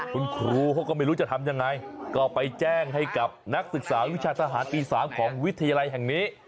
คุณครูเขาก็ไม่รู้จะทำยังไงก็ไปแจ้งให้กับนักศึกษาวิชาทหารปี๓ของวิทยาลัยแห่งนี้